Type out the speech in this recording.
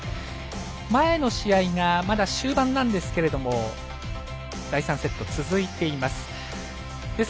前の試合がまだ終盤なんですけれども第３セットが続いています。